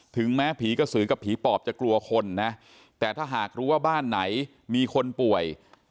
ถึงแม้ผีกระสือกับผีปอบจะกลัวคนนะแต่ถ้าหากรู้ว่าบ้านไหนมีคนป่วย